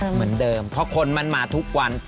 เหมือนเดิมเพราะคนมันมาทุกวัน